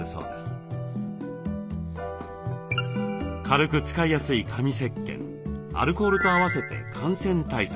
軽く使いやすい紙せっけんアルコールと併せて感染対策に。